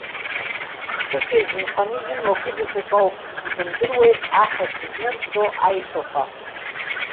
Кыҷа изынханы имоу акызаҵәык ауп, ибымдыруеи, афатә знырҵо аишәақәа.